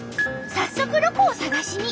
早速ロコを探しに。